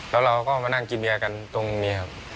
แล้วเราก็มานั่งกินเบียร์กันตรงนี้ครับ